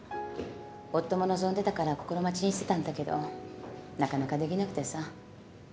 夫も望んでたから心待ちにしてたんだけどなかなかできなくてさ。